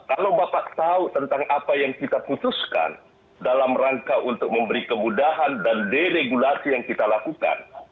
kalau bapak tahu tentang apa yang kita putuskan dalam rangka untuk memberi kemudahan dan deregulasi yang kita lakukan